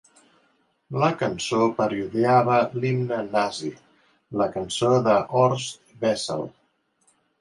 La cançó parodiava l'himne nazi, la "Cançó de Horst Wessel".